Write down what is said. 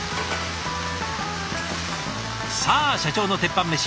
さあ社長の鉄板メシ